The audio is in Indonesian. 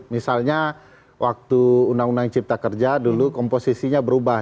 misalnya waktu undang undang cipta kerja dulu komposisinya berubah